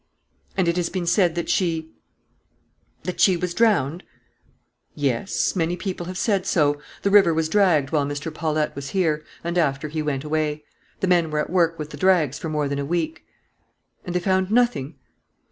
"And it has been said that she that she was drowned?" "Yes; many people have said so. The river was dragged while Mr. Paulette was here, and after he went away. The men were at work with the drags for more than a week." "And they found nothing?"